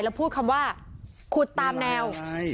แล้วพูดคำว่าขุดตามแนว